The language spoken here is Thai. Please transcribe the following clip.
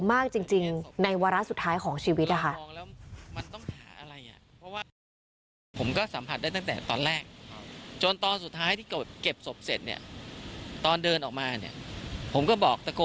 มากจริงในวาระสุดท้ายของชีวิตนะคะ